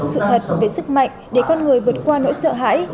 sự thật về sức mạnh để con người vượt qua nỗi sợ hãi